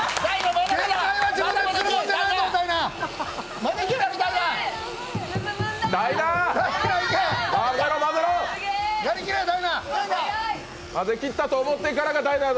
混ぜきったと思ってからがダイナやぞ！